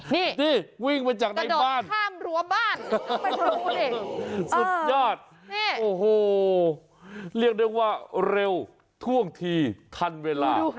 นี่กระดอกข้ามรั้วบ้านสุดยอดโอ้โหเรียกได้ว่าเร็วท่วงทีทันเวลา